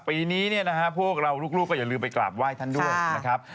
ปีนี้เนี่ยนะฮะพวกเราลูกก็อย่าลืมไปกราบไหว้ท่านด้วยนะครับ